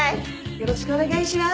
よろしくお願いします。